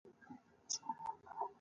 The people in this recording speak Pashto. ژوند کول زده کړئ